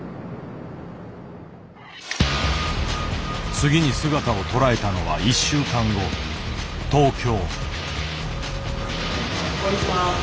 次に姿を捉えたのは１週間後東京。